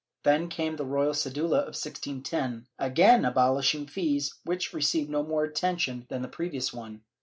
^ Then came the royal cedula of 1610, again abolishing fees, which received no more attention than the previous one.